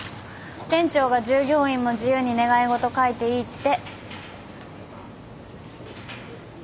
店長が従業員も自由に願い事書いていいって。